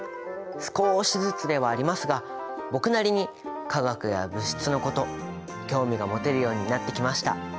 少しずつではありますが僕なりに化学や物質のこと興味が持てるようになってきました。